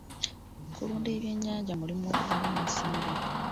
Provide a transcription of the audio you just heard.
Okulunda ebyennyanja mulimu oguvaamu ensimbi.